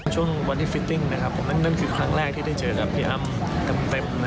ช่วงวันที่ฟิตติ้งนั่นคือครั้งแรกที่ได้เจอกับพี่อ้ำเต็ม